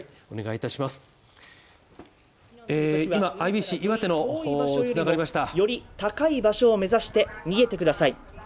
お願いいたしますより高い場所を目指して逃げてください